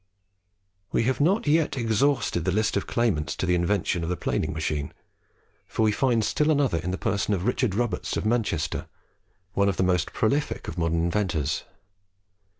We have not yet exhausted the list of claimants to the invention of the Planing Machine, for we find still another in the person of Richard Roberts of Manchester, one of the most prolific of modern inventors.